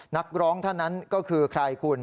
นักร้องท่านนั้นก็คือใครคุณ